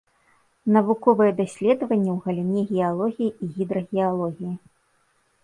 Навуковыя даследаванні ў галіне геалогіі і гідрагеалогіі.